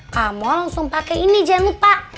kamu langsung pakai ini jangan lupa